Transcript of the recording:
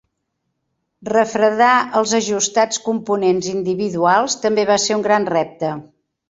Refredar els ajustats components individuals també va ser un gran repte.